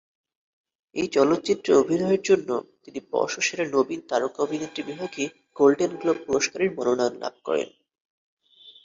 এই চলচ্চিত্রে অভিনয়ের জন্য তিনি বর্ষসেরা নবীন তারকা অভিনেত্রী বিভাগে গোল্ডেন গ্লোব পুরস্কারের মনোনয়ন লাভ করেন।